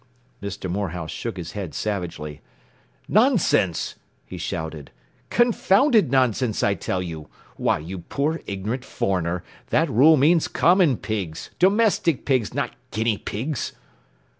” Mr. Morehouse shook his head savagely. “Nonsense!” he shouted, “confounded nonsense, I tell you! Why, you poor ignorant foreigner, that rule means common pigs, domestic pigs, not guinea pigs!